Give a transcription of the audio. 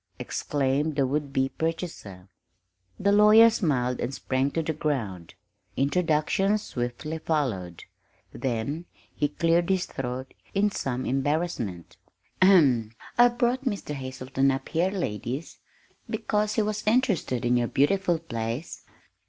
exclaimed the would be purchaser. The lawyer smiled and sprang to the ground. Introductions swiftly followed, then he cleared his throat in some embarrassment. "Ahem! I've brought Mr. Hazelton up here, ladies, because he was interested in your beautiful place."